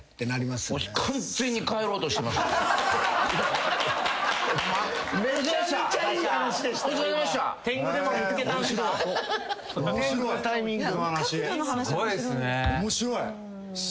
すごい面白い。